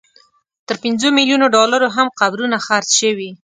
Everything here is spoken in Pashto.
تر پنځو ملیونو ډالرو هم قبرونه خرڅ شوي.